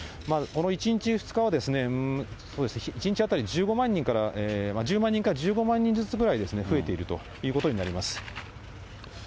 この１日、２日は１日当たり１０万人から１５万人ずつぐらい増えているということになります。